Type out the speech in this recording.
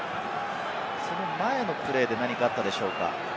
その前のプレーで何かあったでしょうか？